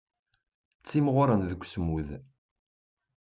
Ttimɣuren deg usmud.